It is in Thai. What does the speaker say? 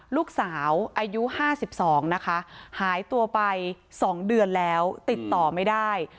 ลูกสาวอายุ๕๒นะคะหายตัวไป๒เดือนแล้วติดต่อไม่ได้